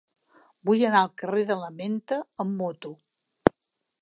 Vull anar al carrer de la Menta amb moto.